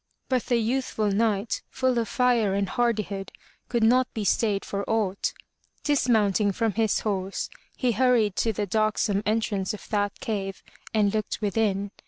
'' But the youthful Knight, full of fire and hardihood, could not be stayed for aught. Dismounting from his horse, he hur ried to the darksome entrance of that cave and looked within.